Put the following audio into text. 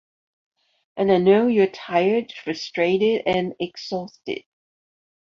And I know you’re tired, frustrated, and exhausted.